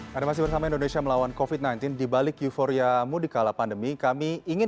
hai ada masih bersama indonesia melawan kofit sembilan belas dibalik euforia mudikala pandemi kami ingin